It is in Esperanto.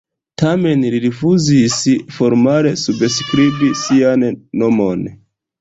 Tamen li rifuzis formale subskribi sian nomon.